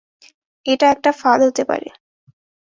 এটা একটা ফাঁদ হতে পারে।